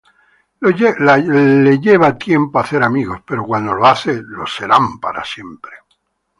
Le lleva tiempo hacer amigos, pero cuando lo hace lo serán para siempre.